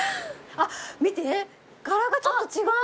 見て柄がちょっと違う。